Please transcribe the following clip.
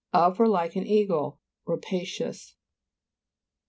Of or like an eagle; rapacious.